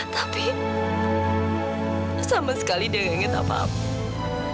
tapi sama sekali dia nggak ingat apa apa